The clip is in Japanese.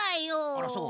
あらそう？